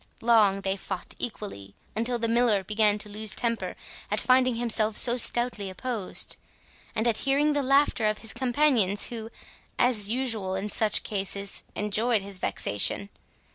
Long they fought equally, until the Miller began to lose temper at finding himself so stoutly opposed, and at hearing the laughter of his companions, who, as usual in such cases, enjoyed his vexation.